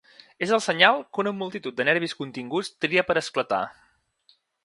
És el senyal que una multitud de nervis continguts tria per esclatar.